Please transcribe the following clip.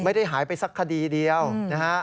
ไม่ได้หายไปสักคดีเดียวนะฮะ